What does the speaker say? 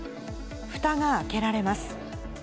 ふたが開けられます。